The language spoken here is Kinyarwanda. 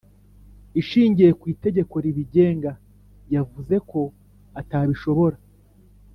Ishingiye ku Itegeko ribigenga yavuze ko atabishobora